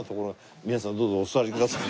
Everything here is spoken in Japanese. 皆さんどうぞお座りください。